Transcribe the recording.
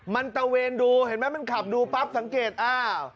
มันตะเวนดูเห็นไหมมันขับดูปั๊บสังเกตอ้าว